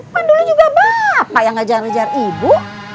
pandul juga bapak yang ngejar ngejar ibu